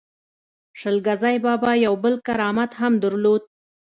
شل ګزی بابا یو بل کرامت هم درلود.